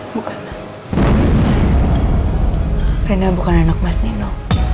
bukan rena bukan anak mas nino